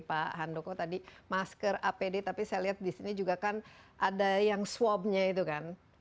pak handoko tadi masker apd tapi saya lihat di sini juga kan ada yang swabnya itu kan